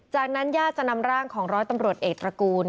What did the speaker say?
จากนั้นญาติจะนำร่างของร้อยตำรวจเอกตระกูล